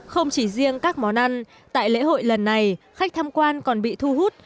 không chỉ riêng các món ăn tại lễ hội lần này khách tham quan còn bị thu hút